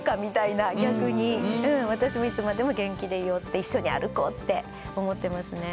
私もいつまでも元気でいようって一緒に歩こうって思ってますね。